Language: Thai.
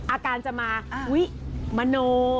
อาการจะมาอุ๊ยมโน